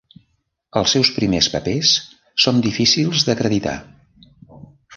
Els seus primers papers són difícils d'acreditar.